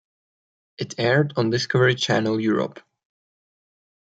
It aired on Discovery Channel Europe.